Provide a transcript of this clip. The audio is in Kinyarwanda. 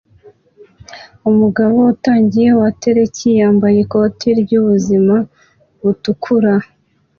Umugabo utangiye waterki yambaye ikoti ryubuzima butukura